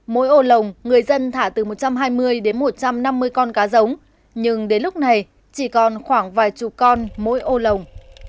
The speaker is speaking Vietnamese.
mỗi ô lồng người dân thả từ một trăm hai mươi đến một trăm năm mươi con cá giống nhưng đến lúc này chỉ còn khoảng vài chục con mỗi ô lồng